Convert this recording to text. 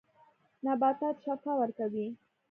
نباتات شفاء ورکوي.